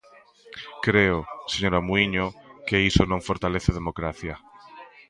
Creo, señora Muíño, que iso non fortalece a democracia.